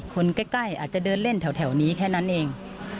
คนใกล้อาจจะเดินเล่นแถวนี้แค่นั้นเอง